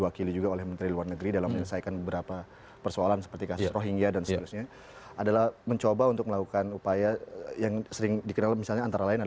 akhirnya ini malah dibunuh sekalian